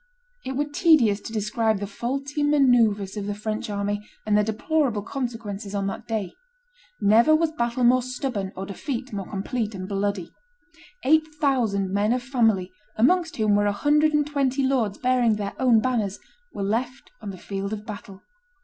It were tedious to describe the faulty manoeuvres of the French army and their deplorable consequences on that day. Never was battle more stubborn or defeat more complete and bloody. Eight thousand men of family, amongst whom were a hundred and twenty lords bearing their own banners, were left on the field of battle.